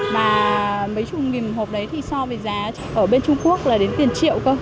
mà mấy chục nghìn hộp đấy thì so với giá ở bên trung quốc là đến tiền triệu cơ